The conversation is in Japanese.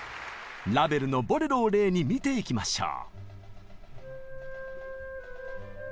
ラヴェルの「ボレロ」を例に見ていきましょう。